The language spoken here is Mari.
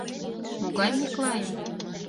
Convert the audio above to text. — Могай Миклайым?